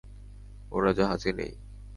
ওরা জাহাজে নেই।